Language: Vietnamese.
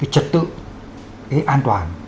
trật tự an toàn